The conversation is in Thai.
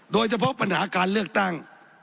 โดยเฉพาะปัญหาการเลือกตั้ง